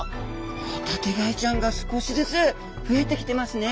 ホタテガイちゃんが少しずつ増えてきてますね。